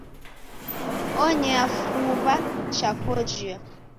Onyea fuw'a cha kojia.